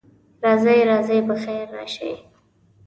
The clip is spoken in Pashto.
راځئ، راځئ، پخیر راشئ.